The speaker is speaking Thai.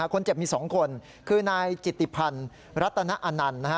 คนเจ็บมี๒คนคือนายจิตติพันธ์รัตนอนันต์นะฮะ